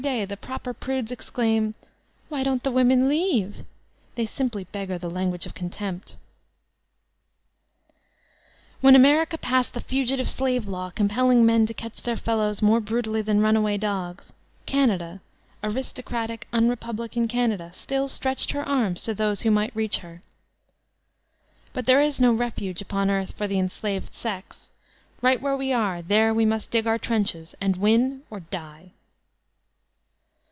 352 VOLTAIIUNE DE ClEYSE the proper prudes exclaim, '"Why don't the women leave/' they simply b^jgar the language of contempt When America passed the fugitive slave law com pelling men to catch their fellows more brutally than runaway dogs, Canada, aristocratic, unrepublican Canada, still stretched her arms to those who might reach her. But there is no refuge upon earth for the enslaved sex. Right where we are, there we must dig our trenches, and win or die.